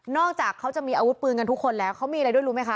อกจากเขาจะมีอาวุธปืนกันทุกคนแล้วเขามีอะไรด้วยรู้ไหมคะ